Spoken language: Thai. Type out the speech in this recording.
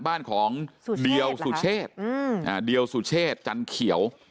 บ้านของเดียวสุเชษจันทร์เขียว